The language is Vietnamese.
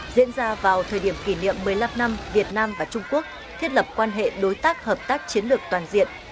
diễn ra vào thời điểm kỷ niệm một mươi năm năm việt nam và trung quốc thiết lập quan hệ đối tác hợp tác chiến lược toàn diện